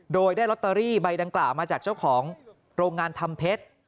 โดยได้ลอตเตอรี่ใบดังกล่าวมาจากเจ้าของโรงงานทำเพชร